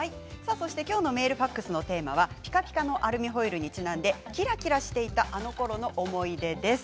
今日のメールファックス募集のテーマはピカピカのアルミホイルにちなんで、キラキラしていたあのころの思い出です。